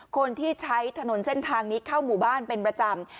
คนที่ใช้ถนนเส้นทางนี้เข้าหมู่บ้านเป็นประจำ